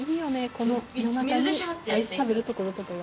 この夜中にアイス食べるところとかが。